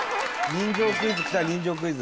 人情クイズきた人情クイズ。